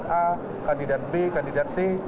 a kandidat b kandidat c